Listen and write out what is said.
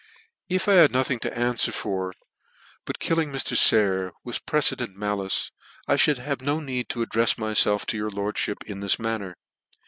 If I had nothing to anfwer for but killing Mr. Sayer with precedent malice, I mould have no need to addrefs myfelf to your lordfhip in this manner.